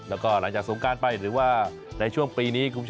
แล้วก็หลังจากสงครานไปหรือว่าในช่วงปีนี้